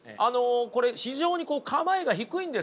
これ非常に構えが低いんですよね。